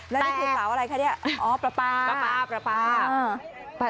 แล้วนี่คือสาวอะไรคะเนี่ยอ๋อปลาปลา